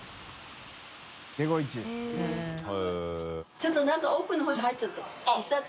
ちょっと中奥の方に入ってて。